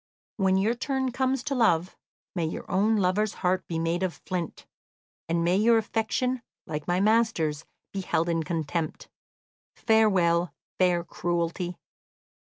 When your turn comes to love, may your own lover's heart be made of flint, and may your affection, like my master's, be held in contempt! Farewell, fair cruelty!"